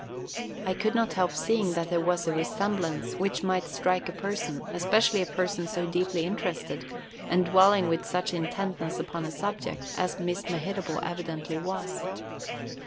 I could not help seeing that there was a resemblance which might strike a person, – especially a person so deeply interested, and dwelling with such intentness upon a subject, as Miss Mehitable evidently was.